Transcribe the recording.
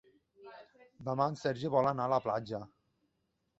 Demà en Sergi vol anar a la platja.